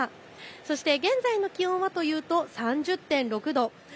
そして現在の気温は３０．６度。